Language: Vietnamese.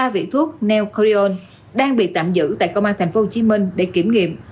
ba vị thuốc neocordion đang bị tạm giữ tại công an tp hcm để kiểm nghiệm